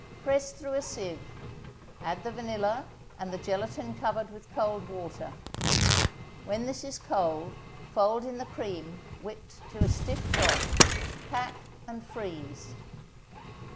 Press through a sieve, add the vanilla, and the gelatin covered with cold water. When this is cold, fold in the cream whipped to a stiff froth; pack and freeze.